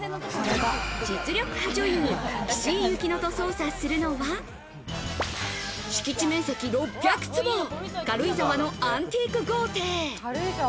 実力派女優・岸井ゆきのと捜査するのは、敷地面積６００坪、軽井沢のアンティーク豪邸。